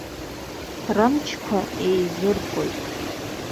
Рымчқәа еизыргоит.